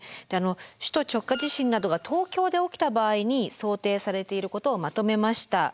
首都直下地震などが東京で起きた場合に想定されていることをまとめました。